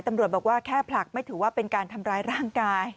ตำรวจบอกว่าแค่ผลักไม่ถือว่าเป็นการทำร้ายร่างกาย